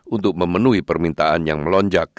untuk memenuhi permintaan yang melonjak